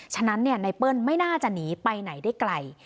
ฉะนั้นไนเปิ้ลไม่น่าจะหนีไปไหนได้ไกล